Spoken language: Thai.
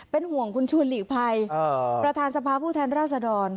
เป็นห่วงคุณชวนหลีกภัยประธานสภาพผู้แทนราษดร